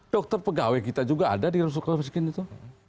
dokter pegawai kita juga ada di rusuk miskin itu